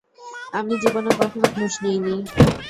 আমি জীবনে কখনো ঘুষ নিইনি।